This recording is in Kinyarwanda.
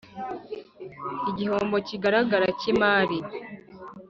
igihombo kigaragara cy imari